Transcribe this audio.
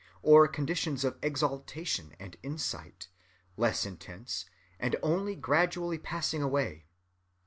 —or conditions of exaltation and insight, less intense, and only gradually passing away.